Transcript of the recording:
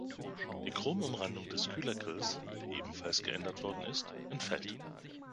Die Chrom-Umrandung des Kühlergrills, der ebenfalls geändert worden ist, entfällt.